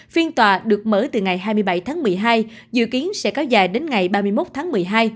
phiên tòa được mở từ ngày hai mươi bảy tháng một mươi hai dự kiến sẽ cao dài đến ngày ba mươi một tháng một mươi hai